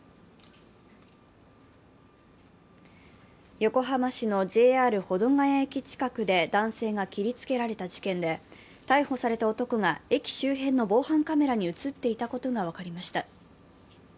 横浜市のＪＲ保土ケ谷駅近くで男性が切りつけられた事件で逮捕された男が駅周辺の防犯カメラに映っていたことが分かりました。